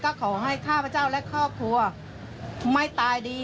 ก็ขอให้ข้าพเจ้าและครอบครัวไม่ตายดี